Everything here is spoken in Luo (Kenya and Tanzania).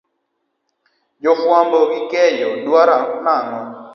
Jo fuambo gikeyo dwaro nang'o.